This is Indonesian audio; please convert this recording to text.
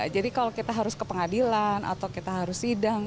jadi kalau kita harus ke pengadilan atau kita harus sidang